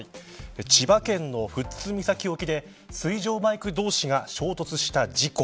千葉県の富津岬沖で水上バイク同士が衝突した事故。